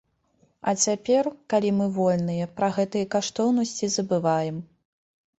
А цяпер, калі мы вольныя, пра гэтыя каштоўнасці забываем.